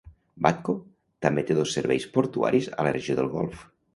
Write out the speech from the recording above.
Watco també té dos serveis portuaris a la regió del Golf.